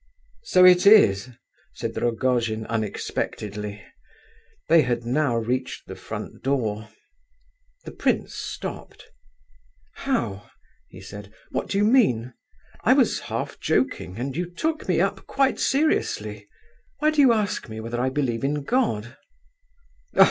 "So it is!" said Rogojin, unexpectedly. They had now reached the front door. The prince stopped. "How?" he said. "What do you mean? I was half joking, and you took me up quite seriously! Why do you ask me whether I believe in God?"